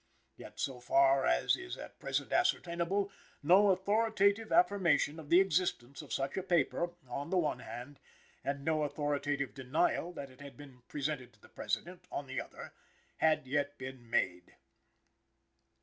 Yet, so far as is at present ascertainable, no authoritative affirmation of the existence of such a paper, on the one hand, and no authoritative denial that it had been presented to the President, on the other, had yet been made.